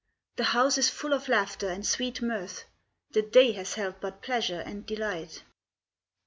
The house is full of laughter and sweet mirth, The day has held but pleasure and delight.